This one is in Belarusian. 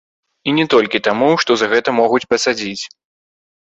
І не толькі таму, што за гэта могуць пасадзіць.